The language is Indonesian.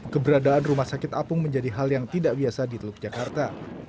keberadaan rumah sakit apung menjadi hal yang tidak biasa di teluk jakarta